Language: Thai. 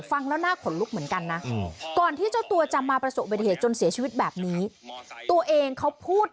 ฟังแล้วน่าขนลุกเหมือนกันนะก่อนที่เจ้าตัวจะมาประสบบัติเหตุจนเสียชีวิตแบบนี้ตัวเองเขาพูด